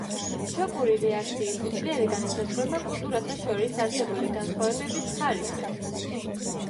შოკური რეაქციის სიძლიერე განისაზღვრება კულტურათა შორის არსებული განსხვავების ხარისხით.